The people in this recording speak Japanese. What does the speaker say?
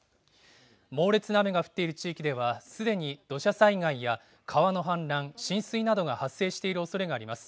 猛烈な雨が降っている地域ではすでに土砂災害や川の氾濫、浸水などが発生しているおそれがあります。